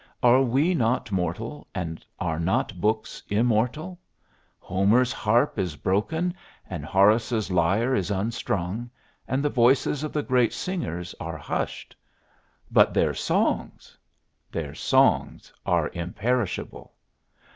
Are we not mortal, and are not books immortal? Homer's harp is broken and Horace's lyre is unstrung, and the voices of the great singers are hushed; but their songs their songs are imperishable.